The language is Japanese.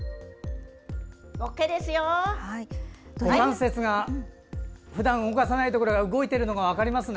股関節がふだん動かさないところが動いているのが分かりますね。